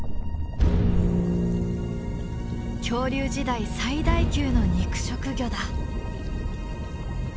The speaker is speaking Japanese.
恐竜時代最大級の肉食魚だ。